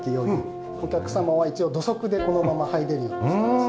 お客様は一応土足でこのまま入れるようにしています。